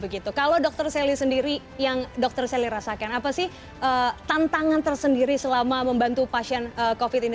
kalau dokter sally sendiri yang dokter sally rasakan apa sih tantangan tersendiri selama membantu pasien covid ini